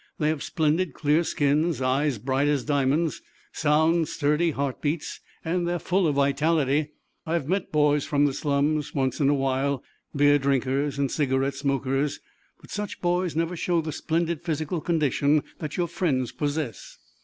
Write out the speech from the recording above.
"They have splendid, clear skins, eyes bright as diamonds, sound, sturdy heart beats, and they're full of vitality. I've met boys from the slums, once in a while—beer drinkers and cigarette smokers. But such boys never show the splendid physical condition that your friends possess."